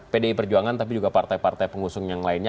pdi perjuangan tapi juga partai partai pengusung yang lainnya